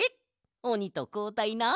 おにとこうたいな！